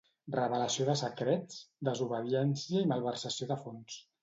Revelació de secrets, desobediència i malversació de fons.